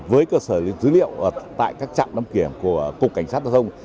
với cơ sở dữ liệu tại các trạm đăng kiểm của cục cảnh sát giao thông